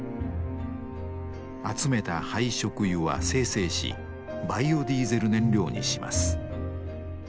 集めた廃食油は精製しバイオディーゼル燃料にします。